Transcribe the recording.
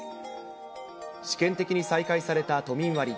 試験的に再開された都民割。